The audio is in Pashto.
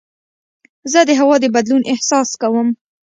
زه د هوا د بدلون احساس کوم.